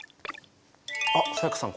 あっ才加さん